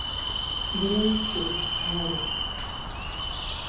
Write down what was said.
Bylo jich tu, Heleno.